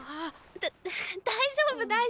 だ大丈夫大丈夫。